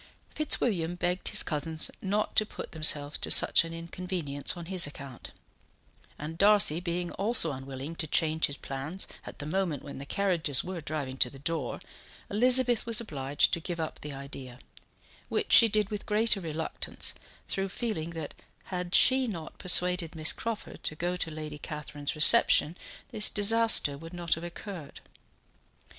Fitzwilliam begged his cousins not to put themselves to such an inconvenience on his account; and Darcy being also unwilling to change his plans at the moment when the carriages were driving to the door Elizabeth was obliged to give up the idea, which she did with greater reluctance through feeling that had she not persuaded Miss Crawford to go to Lady Catherine's reception, this disaster would not have occurred.